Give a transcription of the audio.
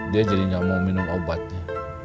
dia jadi nggak mau minum obatnya